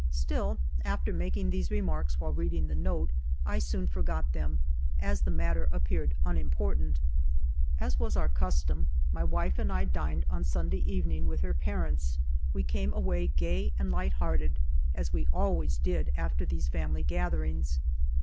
Still, after making these remarks while reading the note, I soon forgot them, as the matter appeared un important. As was our custom, my wife and I dined on Sunday evening with her parents. We came away gay and light hearted, as we always did after these family gatherings.